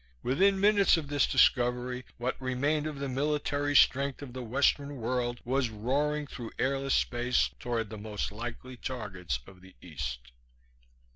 Within minutes of this discovery what remained of the military strength of the Western world was roaring through airless space toward the most likely targets of the East.